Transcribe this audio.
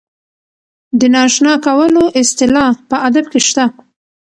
د نااشنا کولو اصطلاح په ادب کې شته.